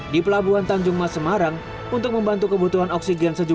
di pelabuhan tanjung mas semarang untuk membantu kembali ke kawasan tersebut dan juga untuk mencari